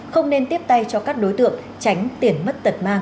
không nên tiếp tay cho các đối tượng tránh tiền mất tật mang